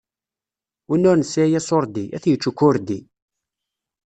Win ur nesɛi asuṛdi, ad tyečč ukwerdi.